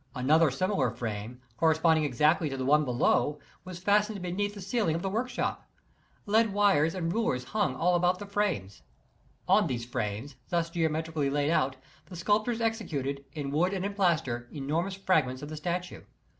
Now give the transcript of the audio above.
Another similar frame, corresponding exactly to the one below, was fastened beneath the ceiling of the workshop. Lead wires and rulers hung all around the frames. On these frames, thus geometrically laid out, the sculptors executed, in wood and in plaster, enormous fragments of the statue.